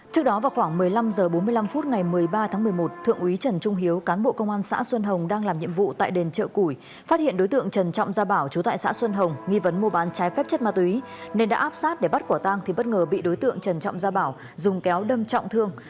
trước đó vào khoảng một mươi năm h bốn mươi năm phút ngày một mươi ba tháng một mươi một thượng úy trần trung hiếu cán bộ công an xã xuân hồng đang làm nhiệm vụ tại đền chợ củi phát hiện đối tượng trần trọng gia bảo chú tại xã xuân hồng nghi vấn mua bán trái phép chất ma túy nên đã áp sát để bắt quả tang thì bất ngờ bị đối tượng trần trọng gia bảo dùng kéo đâm trọng thương